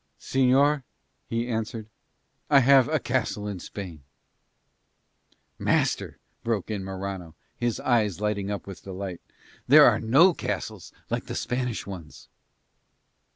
"Señor," he answered, "I have a castle in Spain." "Master," broke in Morano, his eyes lighting up with delight, "there are no castles like the Spanish ones."